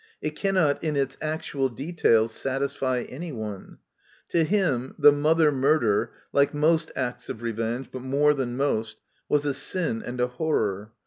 It cannot, in its actual details, satisfy any one. To him the mother murder — like most acts of revenge, but more than most — was a sin and a horror